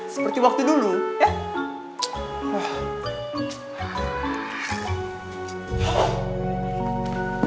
seperti waktu dulu ya